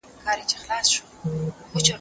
زه مخکي د ښوونځی لپاره امادګي نيولی وو،